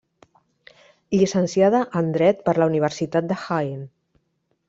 Llicenciada en Dret per la Universitat de Jaén.